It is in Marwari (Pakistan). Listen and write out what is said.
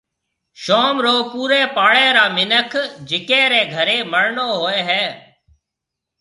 شوم رو پوريَ پاڙيَ را منک جڪي ري گهري مرڻو هوئيَ هيَ